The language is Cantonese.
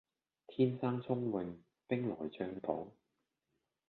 天生聰穎兵來將擋